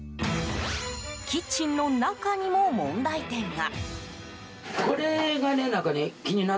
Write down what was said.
キッチンの中にも問題点が。